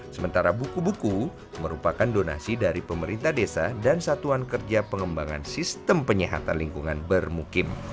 sementara buku buku merupakan donasi dari pemerintah desa dan satuan kerja pengembangan sistem penyihatan lingkungan bermukim